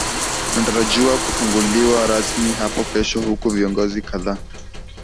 unatarajiwa kufunguliwa rasmi hapo kesho huku viongozi kadhaa